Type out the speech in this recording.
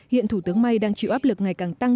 hiện thủ tướng may đang chịu áp lực ngày càng tăng